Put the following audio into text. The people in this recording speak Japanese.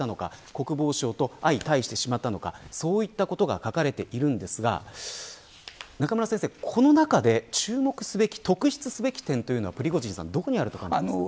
国防省と相対してしまったのかそういうものが書かれていますがこの中で、注目すべき特筆すべき点はどこにあると思いますか。